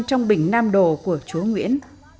trong bình nam đồ của chú nguyễn